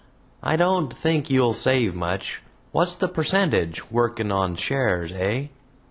"I don't think you'll save much. What's the percentage workin' on shares, eh!"